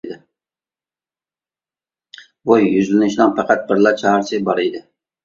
بۇ يۈزلىنىشنىڭ پەقەت بىرلا چارىسى بار ئىدى.